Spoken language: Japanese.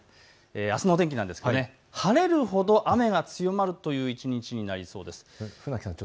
あすの天気、晴れるほど雨が強まるという一日になりそうです。